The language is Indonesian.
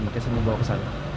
berarti saya bawa kesana